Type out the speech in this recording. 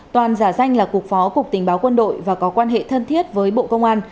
toàn giả danh là cục phó cục tình báo quân đội và có quan hệ thân thiết với bộ công an